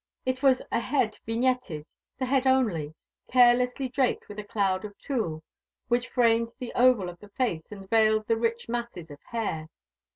It was a head vignetted, the head only, carelessly draped with a cloud of tulle, which framed the oval of the face and veiled the rich masses of hair.